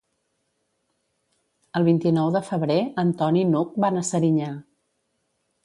El vint-i-nou de febrer en Ton i n'Hug van a Serinyà.